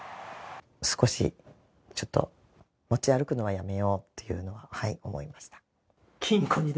少しちょっと持ち歩くのはやめようというのは思いました。